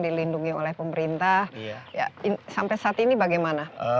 dilindungi oleh pemerintah sampai saat ini bagaimana